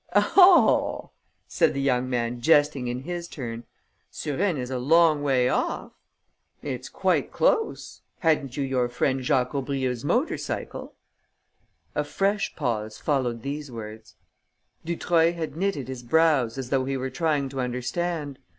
"Oh!" said the young man, jesting in his turn. "Suresnes is a long way off!" "It's quite close! Hadn't you your friend Jacques Aubrieux's motor cycle?" A fresh pause followed these words. Dutreuil had knitted his brows as though he were trying to understand.